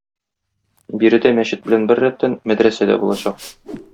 Биредә мәчет белән беррәттән мәдрәсә дә булачак.